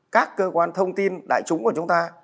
các cơ quan thông tin đại chúng của chúng ta